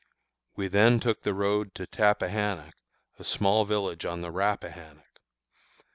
We then took the road to Tappahannock, a small village on the Rappahannock.